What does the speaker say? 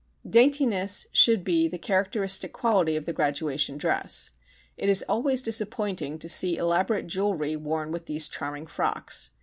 Daintiness should be the characteristic quality of the graduation dress. It is always disappointing to see elaborate jewelry worn with these charming frocks.